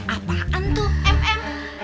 apaan tuh m m